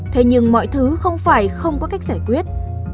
thế nhưng mọi thứ không phải không có cách giải quyết